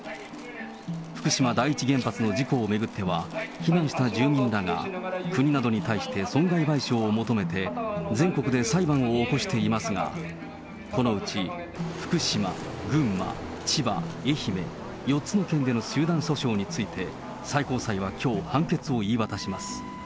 福島第一原発の事故を巡っては、避難した住民らが国などに対して損害賠償を求めて、全国で裁判を起こしていますが、このうち福島、群馬、千葉、愛媛４つの県での集団訴訟について、最高裁はきょう、判決を言い渡します。